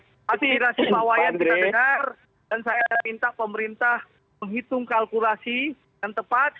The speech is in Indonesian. terima kasih pak wayan kita dengar dan saya minta pemerintah menghitung kalkulasi yang tepat